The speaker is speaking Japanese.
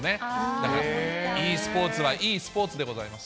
だからｅスポーツはいいスポーツでございます。